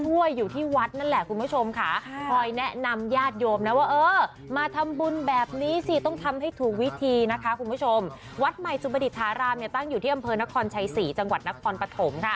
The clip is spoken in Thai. วัดใหม่สุบัติธารามตั้งอยู่ที่อำเภอนครชัยศรีจังหวัดนครปฐม